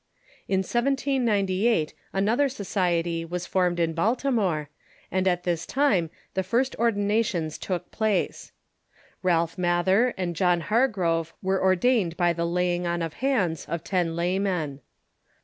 In 1798 another society was formed in lialtimore, and at this time the first ordinations took place. Ralph INIathcr and John Hargrove were ordained by the la}' ing on of hands of ten laymen.